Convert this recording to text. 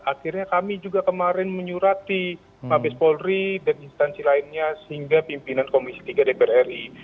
akhirnya kami juga kemarin menyurati mabes polri dan instansi lainnya sehingga pimpinan komisi tiga dpr ri